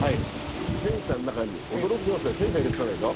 戦車の中に驚くよって戦車入れてたでしょ？